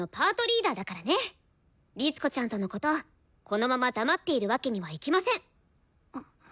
律子ちゃんとのことこのまま黙っているわけにはいきません！